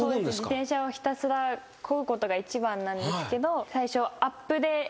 自転車をひたすらこぐことが一番なんですけど最初。